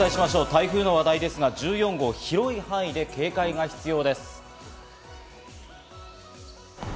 台風の話題ですが、１４号、広い範囲で警戒が必要です。